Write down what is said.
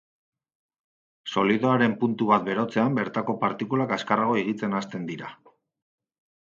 Solidoaren puntu bat berotzean, bertako partikulak azkarrago higitzen hasten dira.